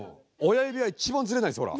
親指は一番ズレないですほら。